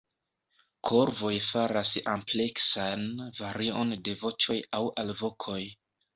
Korvoj faras ampleksan varion de voĉoj aŭ alvokoj.